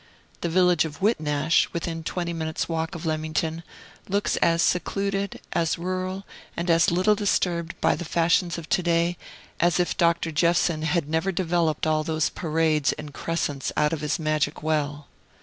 The village of Whitnash, within twenty minutes' walk of Leamington, looks as secluded, as rural, and as little disturbed by the fashions of to day, as if Dr. Jephson had never developed all those Parades and Crescents out of his magic well.